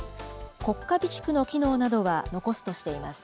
国家備蓄の機能などは残すとしています。